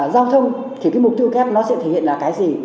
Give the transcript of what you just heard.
giao thông thì cái mục tiêu kép nó sẽ thể hiện là cái gì